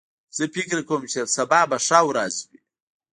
زه فکر کوم چې سبا به ښه ورځ وي